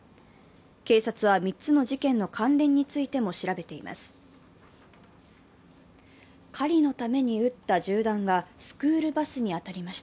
警察は３つの事件の関連についても調べています。